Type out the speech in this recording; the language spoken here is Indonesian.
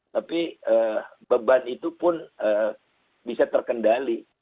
tapi beban itu pun bisa terkendali